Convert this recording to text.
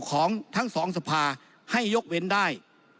ของทั้งสองสภาให้ยกเว้นได้